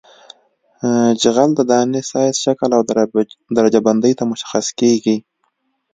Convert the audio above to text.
جغل د دانې سایز شکل او درجه بندۍ ته مشخص کیږي